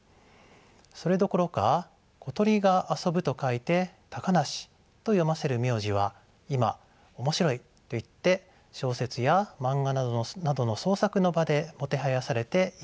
それどころか小鳥が遊ぶと書いて「たかなし」と読ませる名字は今面白いといって小説や漫画などの創作の場でもてはやされています。